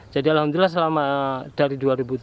jadi alhamdulillah selama dari dua ribu tujuh belas